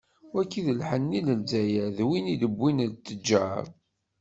Wagi d lḥenni n Lzzayer, d win i d-wwin tteǧǧar.